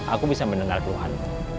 aku bisa mendengar tuhan